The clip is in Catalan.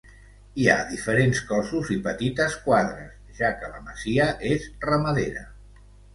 Hi ha diferents cossos i petites quadres, ja que la masia és ramadera.